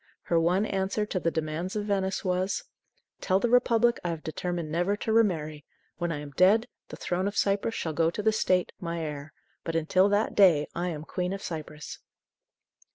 Her one answer to the demands of Venice was: "Tell the Republic I have determined never to remarry. When I am dead, the throne of Cyprus shall go to the State, my heir. But until that day I am Queen of Cyprus!"